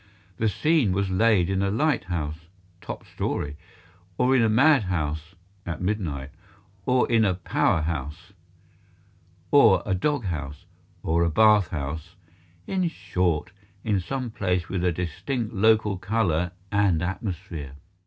The scene was laid in a lighthouse (top story), or in a mad house (at midnight), or in a power house, or a dog house, or a bath house, in short, in some place with a distinct local color and atmosphere.